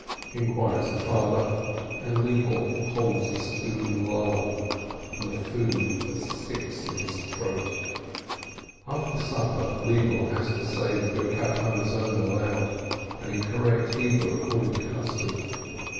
inquires the father, and Lebele holds the spoon lower, and the food sticks in his throat. After supper Lebele has to say grace aloud and in correct Hebrew, according to custom.